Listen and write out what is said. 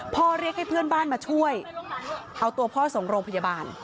เรียกให้เพื่อนบ้านมาช่วยเอาตัวพ่อส่งโรงพยาบาล